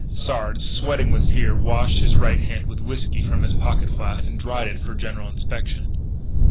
Sard, sweating with fear, washed his right hand with whiskey from his pocket flask, and dried it for general inspection.